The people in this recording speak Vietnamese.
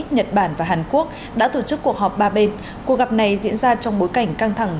nhật bản và hàn quốc đã tổ chức cuộc họp ba bên cuộc gặp này diễn ra trong bối cảnh căng thẳng